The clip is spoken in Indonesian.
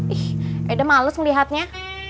ih eda males melihatnya